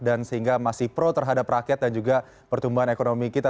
dan sehingga masih pro terhadap rakyat dan juga pertumbuhan ekonomi kita